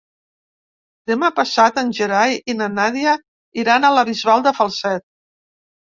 Demà passat en Gerai i na Nàdia iran a la Bisbal de Falset.